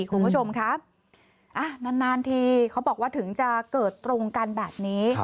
คุณผู้ชมครับนานทีเขาบอกว่าถึงจะเกิดตรงกันแบบนี้